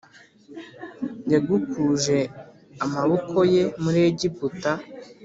yagukuje amaboko ye muri Egiputa